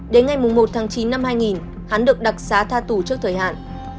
đến ngày một tháng chín năm hai nghìn hắn được đặc xá tha tù trước thời hạn